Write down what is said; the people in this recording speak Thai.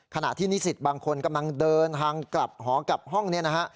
ขณะที่นิสิตบางคนกำลังเดินทางกลับหอกลับห้องนี้นะฮะ